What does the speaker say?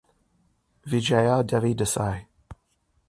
Vijaya Devi Desai.